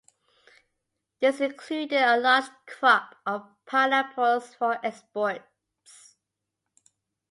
This included a large crop of pineapples for exports.